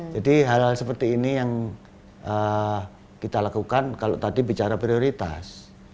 jadi hal hal seperti ini yang kita lakukan kalau tadi bicara prioritas